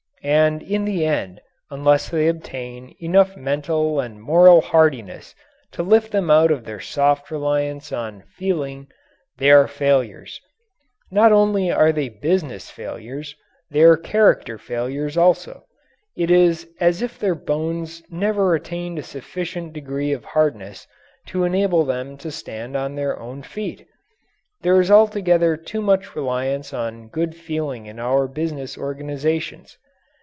And in the end, unless they obtain enough mental and moral hardiness to lift them out of their soft reliance on "feeling," they are failures. Not only are they business failures; they are character failures also; it is as if their bones never attained a sufficient degree of hardness to enable them to stand on their own feet. There is altogether too much reliance on good feeling in our business organizations.